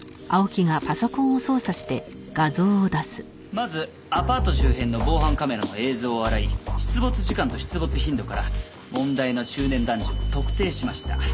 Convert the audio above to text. まずアパート周辺の防犯カメラの映像を洗い出没時間と出没頻度から問題の中年男女を特定しました。